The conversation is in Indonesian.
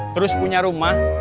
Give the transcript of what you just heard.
terus punya rumah